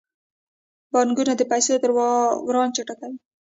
بانکونه د پیسو دوران چټکوي.